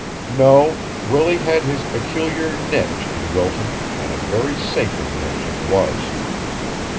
No, Willie had his peculiar niche in Wilton and a very sacred niche it was.